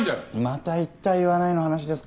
また「言った言わない」の話ですか。